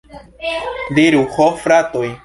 Diru, ho fratoj!